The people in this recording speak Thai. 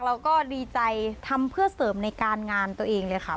เราก็ดีใจทำเพื่อเสริมในการงานตัวเองเลยค่ะ